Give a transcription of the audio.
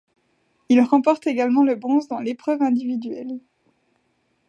Il remporte également le bronze dans l'épreuve individuelle.